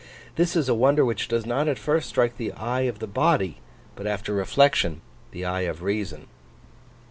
This is a wonder which does not at first strike the eye of the body, but, after reflection, the eye of reason.